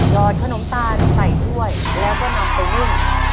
หอดขนมตาลใส่ถ้วยแล้วก็นำไปนึ่ง